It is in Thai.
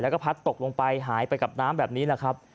แล้วก็พัดตกลงไปหายไปกับน้ำแบบนี้แหละครับ